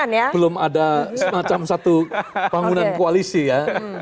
belum ada semacam satu bangunan koalisi ya